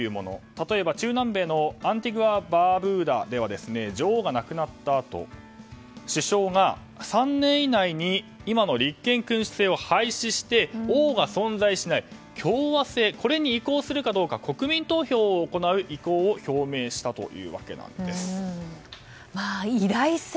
例えば、中南米のアンティグア・バーブーダでは女王が亡くなったあと首相が３年以内に今の立憲君主制を廃止して王が存在しない共和制に移行するかどうか国民投票を行う意向を表明したというわけなんです。